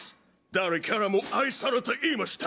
誰からも愛されていました。